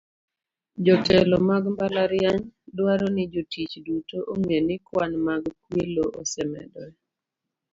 Jotelo mag mbalariany dwaro ni jotich duto ong'e ni kwan mag kwelo osemedore.